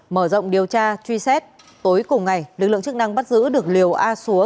mở rộng điều tra truy xét tối cùng ngày lực lượng chức năng bắt giữ được liều a xúa